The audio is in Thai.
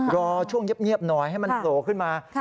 รอช่วงเงียบหน่อยให้มันโผล่ขึ้นมา